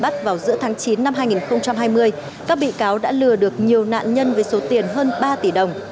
tháng chín năm hai nghìn hai mươi các bị cáo đã lừa được nhiều nạn nhân với số tiền hơn ba tỷ đồng